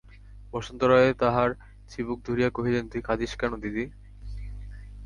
বসন্ত রায় তাহার চিবুক ধরিয়া কহিলেন, তুই কাঁদিস কেন দিদি?